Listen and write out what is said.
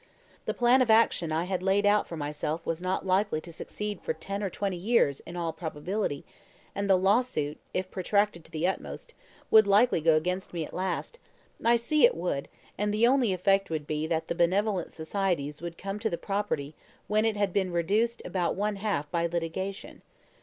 "The plan of action I had laid out for myself was not likely to succeed for ten or twenty years, in all probability; and the lawsuit, if protracted to the utmost, would likely go against me at last I see it would; and the only effect would be that the benevolent societies would come to the property when it had been reduced about one half by litigation.